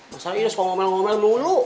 masalahnya ida suka ngomel ngomel mulu